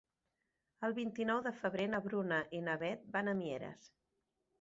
El vint-i-nou de febrer na Bruna i na Beth van a Mieres.